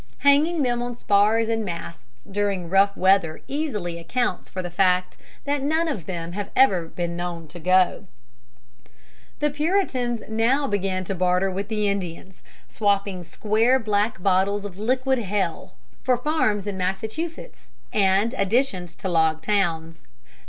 Hanging them on spars and masts during rough weather easily accounts for the fact that none of them have ever been known to go. The Puritans now began to barter with the Indians, swapping square black bottles of liquid hell for farms in Massachusetts and additions to log towns.